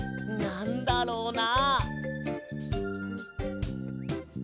なんだろうな？